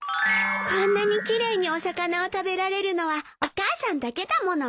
こんなに奇麗にお魚を食べられるのはお母さんだけだもの。